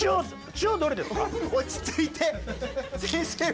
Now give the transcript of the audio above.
塩どれですか？